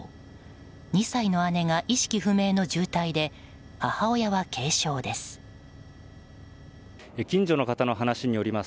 ２歳の姉が意識不明の重体で母親は軽傷です。